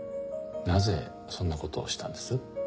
なぜそんな事をしたんです？